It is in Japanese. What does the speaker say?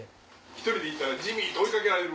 １人で行ったらジミー！って追い掛けられる！